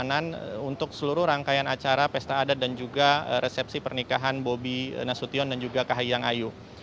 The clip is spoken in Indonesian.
perjalanan untuk seluruh rangkaian acara pesta adat dan juga resepsi pernikahan bobi nasution dan juga kahiyang ayu